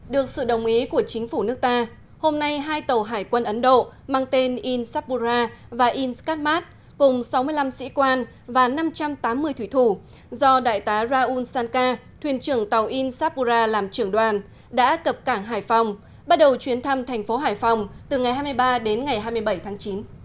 được sự đồng ý của chính phủ nước ta hôm nay hai tàu hải quân ấn độ mang tên in sapura và in skatmat cùng sáu mươi năm sĩ quan và năm trăm tám mươi thủy thủ do đại tá raul sanka thuyền trưởng tàu in sapura làm trưởng đoàn đã cập cảng hải phòng bắt đầu chuyến thăm thành phố hải phòng từ ngày hai mươi ba đến ngày hai mươi bảy tháng chín